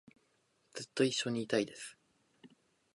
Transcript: ずっと一緒にいたいです